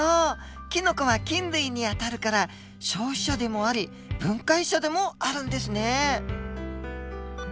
キノコは菌類にあたるから消費者でもあり分解者でもあるんですね。